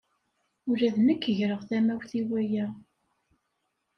Ula d nekk greɣ tamawt i waya.